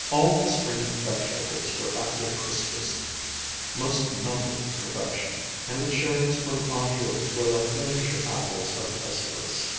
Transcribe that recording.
All the spring vegetables were at their crispest, most melting perfection, and the cherries from Anjou were like miniature apples of Hesperus.